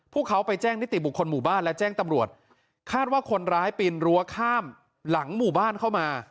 พวกเขาไปแจ้งนิติบุคคลหมู่บ้านและแจ้งตำรวจคาดว่าคนร้ายปีนรั้วข้ามหลังหมู่บ้านเข้ามา